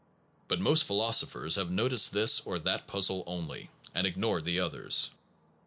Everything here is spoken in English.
But most philosophers have noticed this or that puzzle only, and ignored the others.